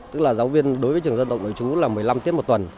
tức là giáo viên đối với trường dân tộc nội chú là một mươi năm tiết một tuần